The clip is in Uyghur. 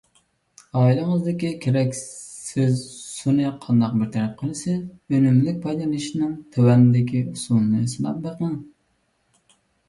ئائىلىڭىزدىكى كېرەكسىز سۇنى قانداق بىر تەرەپ قىلىسىز؟ ئۈنۈملۈك پايدىلىنىشنىڭ تۆۋەندىكى ئۇسۇلىنى سىناپ بېقىڭ.